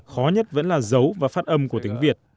khó nhất vẫn là dấu và phát âm của tiếng việt